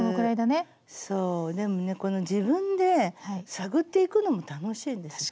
そうでもね自分で探っていくのも楽しいんですよ。